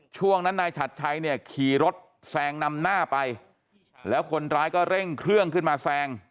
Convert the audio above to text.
ช่วงนั้นนายฉัดชัยเนี่ยขี่รถแซงนำหน้าไปแล้วคนร้ายก็เร่งเครื่องขึ้นมาแซง